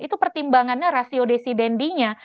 itu pertimbangannya rasio desiden dinya